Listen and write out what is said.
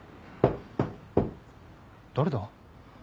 誰だ？